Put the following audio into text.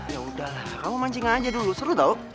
ya yaudah lah kamu mancing aja dulu seru tau